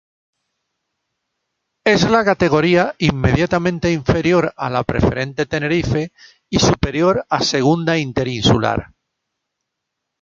Es la categoría inmediatamente inferior a la Preferente Tenerife y superior a Segunda Interinsular.